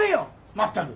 まったく。